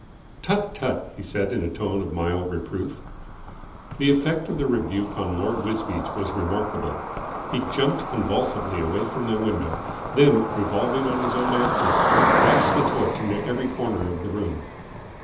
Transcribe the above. "Tut, tut!" he said in a tone of mild reproof. The effect of the rebuke on Lord Wisbeach was remarkable. He jumped convulsively away from the window, then, revolving on his own axis, flashed the torch into every corner of the room.